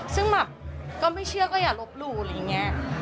ซึ่งแบบก็ไม่เชื่อก็อย่าลบหลู่อะไรอย่างนี้